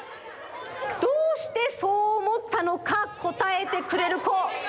どうしてそうおもったのかこたえてくれるこ。